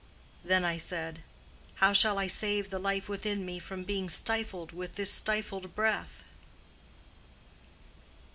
Then I said, 'How shall I save the life within me from being stifled with this stifled breath?